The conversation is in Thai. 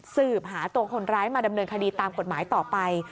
สืบหาตัวคนร้ายมาดำเนินคดีตามกฎหมายต่อไป